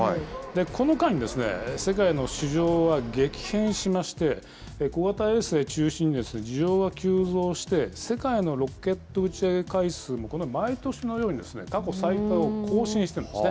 この間に、世界の市場は激変しまして、小型衛星中心に需要が急増して、世界のロケット打ち上げ回数も、毎年のように、過去最多を更新しているんですね。